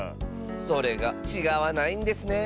それがちがわないんですね。